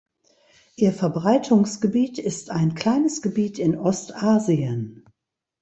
Ihr Verbreitungsgebiet ist ein kleines Gebiet in Ostasien.